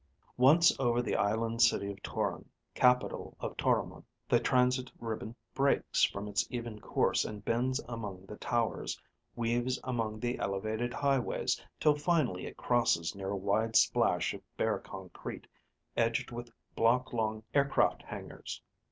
Once over the island city of Toron, capital of Toromon, the transit ribbon breaks from its even course and bends among the towers, weaves among the elevated highways, till finally it crosses near a wide splash of bare concrete, edged with block long aircraft hangars.